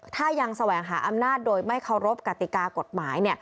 ถ้ายังแสวงหาอำนาจโดยไม่เคารพกติกากฎหมาย